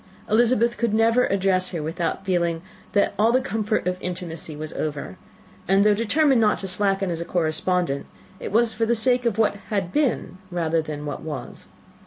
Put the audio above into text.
Elizabeth could never address her without feeling that all the comfort of intimacy was over; and, though determined not to slacken as a correspondent, it was for the sake of what had been rather than what was.